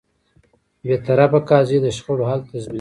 بېطرفه قاضی د شخړو حل تضمینوي.